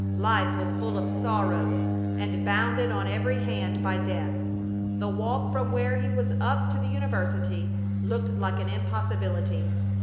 Life was full of sorrow, and bounded on every hand by death! The walk from where he was up to the university looked like an impossibility.